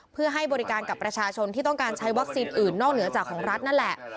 เพื่อให้บริการกับประชาชนที่ต้องการใช้วัคซีนอื่นนอกเหนือจากของรัฐนั่นแหละ